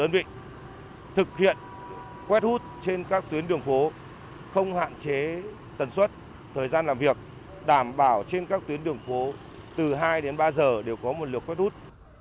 bạn chế tần suất thời gian làm việc đảm bảo trên các tuyến đường phố từ hai đến ba giờ đều có một lượt phát út